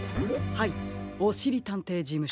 おしりたんていじむしょです。